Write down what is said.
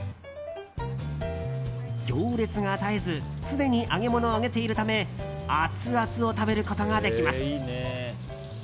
行列が絶えず常に揚げ物を揚げているためアツアツを食べることができます。